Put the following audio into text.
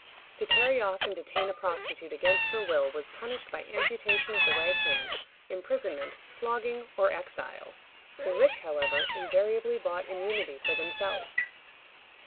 To carry off and detain a prostitute against her will was punished by amputation of the right hand, imprisonment, flogging, or exile. The rich, however, invariably bought immunity for themselves.